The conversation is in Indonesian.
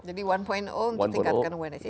jadi satu untuk meningkatkan way of life